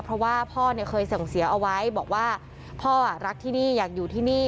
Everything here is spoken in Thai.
เพราะว่าพ่อเนี่ยเคยส่งเสียเอาไว้บอกว่าพ่อรักที่นี่อยากอยู่ที่นี่